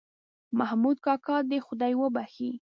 محمود کاکا دې خدای وبښې.